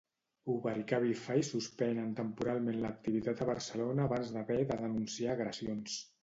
Uber i Cabify suspenen temporalment l'activitat a Barcelona abans d'haver de denunciar agressions.